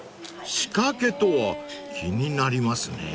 ［仕掛けとは気になりますねえ］